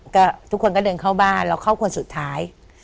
ก็ทุกคนก็เดินเข้าบ้านเราเข้าคนสุดท้าย